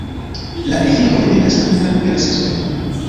La efiko dependas ankaŭ de la sezono.